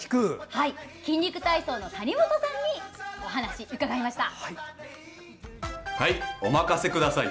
「筋肉体操」の谷本さんにお話を伺いました。